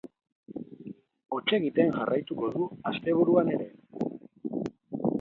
Hotz egiten jarraituko du asteburuan ere.